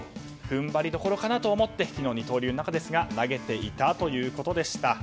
踏ん張りどころかなと思って昨日、二刀流ですが投げていたということでした。